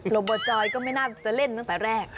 โบจอยก็ไม่น่าจะเล่นตั้งแต่แรก